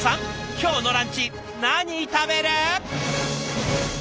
「今日のランチ何食べる？」。